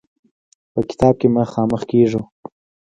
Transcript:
په کتاب کې مخامخ کېږو.